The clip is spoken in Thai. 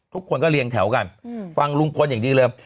ทุกคนก็เรียงแถวกันฟังลุงพลอย่างดีเลย